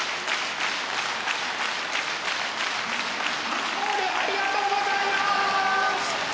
アンコールありがとうございます！